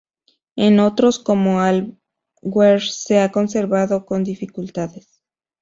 En otros como el Alguer, se ha conservado con dificultades.